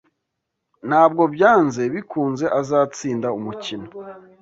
Ntabwo byanze bikunze azatsinda umukino.